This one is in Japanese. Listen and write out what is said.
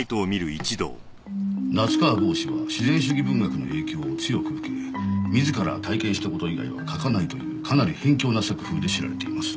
夏河郷士は自然主義文学の影響を強く受け自ら体験した事以外は書かないというかなり偏狭な作風で知られています。